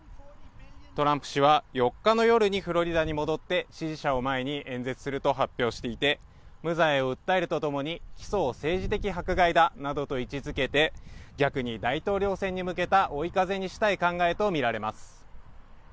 トランプ氏は４日の夜にフロリダに戻って支持者を前に演説すると発表していて、無罪を訴えるとともに、起訴を政治的迫害だなどと位置づけて、逆に大統領選に向けた追い風にしたい考えとみられます。